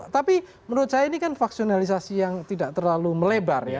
tapi menurut saya ini kan faksionalisasi yang tidak terlalu melebar ya